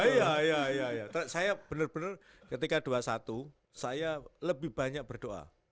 iya iya saya benar benar ketika dua puluh satu saya lebih banyak berdoa